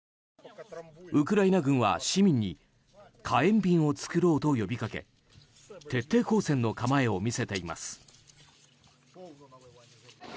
ウクライナ軍は市民に火炎瓶を作ろうと呼びかけ徹底抗戦の構えを見せています。